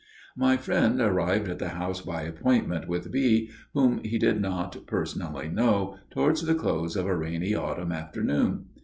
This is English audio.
"My friend arrived at the house by appointment with B., whom he did not personally know, towards the close of a rainy autumn afternoon.